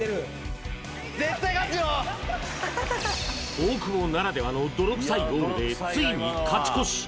大久保ならではの泥臭いゴールでついに勝ち越し